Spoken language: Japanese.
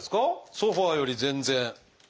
ソファーより全然。